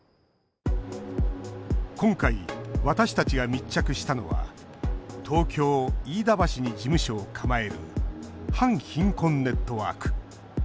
今回、私たちが密着したのは東京・飯田橋に事務所を構える反貧困ネットワーク。